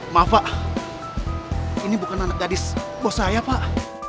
maaf pak ini bukan anak gadis bos saya pak